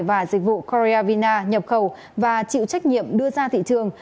và dịch vụ coriavina nhập khẩu và chịu trách nhiệm đưa ra thị trường